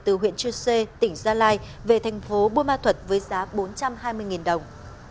từ huyện chư sê tỉnh gia lai về thành phố buôn ma thuật với giá bốn trăm hai mươi đồng